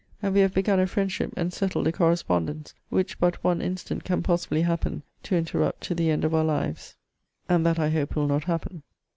And we have begun a friendship and settled a correspondence, which but one incident can possibly happen to interrupt to the end of our lives. And that I hope will not happen.